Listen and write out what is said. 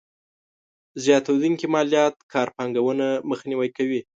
زياتېدونکې ماليات کار پانګونه مخنیوی کوي.